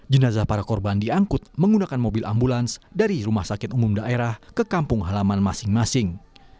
jenazah para korban diangkut menggunakan mobil ambulans dari rumah sakit umum daerah ke kampung halaman masing masing